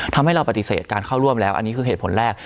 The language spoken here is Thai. ทำให้เราปฏิเสธการเข้าร่วมแล้วอันนี้คือเหตุผลแรก